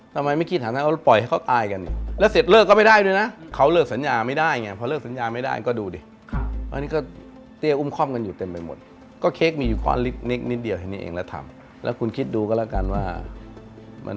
ทำไมไม่คิดหาทางแก้